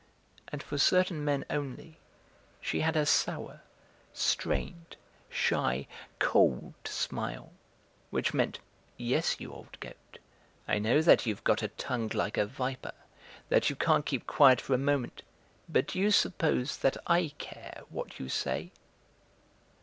And for certain men only she had a sour, strained, shy, cold smile which meant: "Yes, you old goat, I know that you've got a tongue like a viper, that you can't keep quiet for a moment. But do you suppose that I care what you say?"